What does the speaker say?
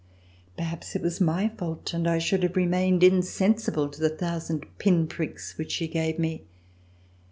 Perhaps it was my fault and I should have remained insensible to the thousand pin pricks which she gave me.